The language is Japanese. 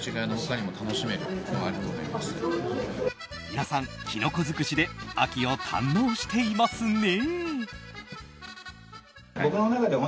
皆さん、キノコ尽くしで秋を堪能していますね。